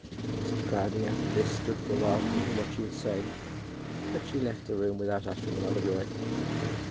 Mrs. Proudie after this stood for a while thinking what she would say; but she left the room without uttering another word.